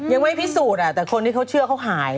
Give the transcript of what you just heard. ยังไม่พิสูจน์แต่คนที่เขาเชื่อเขาหาย